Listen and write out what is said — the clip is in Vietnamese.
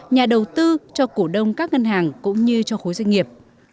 nhà đầu tư cho cổ đông các ngân hàng cũng như cho khối doanh nghiệp